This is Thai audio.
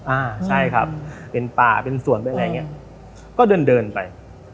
อ่าใช่ครับเป็นป่าเป็นสวนเป็นอะไรอย่างเงี้ยก็เดินเดินไป